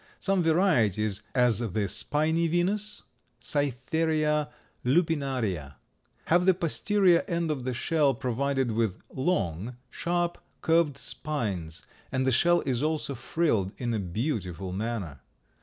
Some varieties, as the spiny venus (Cytheria lupinaria) have the posterior end of the shell provided with long, sharp, curved spines, and the shell is also frilled in a beautiful manner.